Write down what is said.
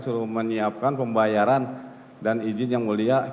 suruh menyiapkan pembayaran dan izin yang mulia